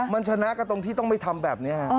มันชนะกันตรงที่ต้องไม่ทำแบบนี้ฮะ